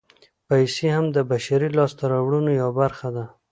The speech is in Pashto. پیسې هم د بشري لاسته راوړنو یوه برخه ده